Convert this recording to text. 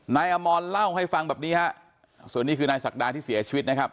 นายอมรเล่าให้ฟังแบบนี้ฮะส่วนนี้คือนายศักดาที่เสียชีวิตนะครับ